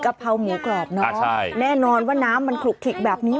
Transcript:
เพราหมูกรอบเนอะใช่แน่นอนว่าน้ำมันขลุกขิกแบบนี้